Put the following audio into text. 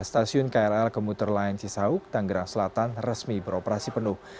stasiun krl kemuterlain sisauk tangerang selatan resmi beroperasi penuh